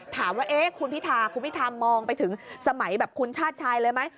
ถามว่าคุณพิธาคุณพิธามองไปถึงสมัยแบบคุณชาติชายเลยไหม